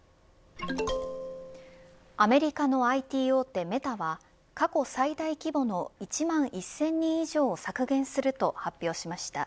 アメリカのＩＴ大手メタは過去最大規模の１万１０００人以上を削減すると発表しました。